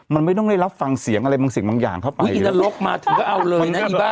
มันไม่ต้องได้รับฟังเสียงอะไรเป็นเสียงบางอย่างเท่าไป